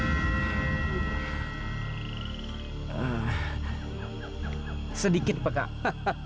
sedikit yang didapat sedikit yang dimengerti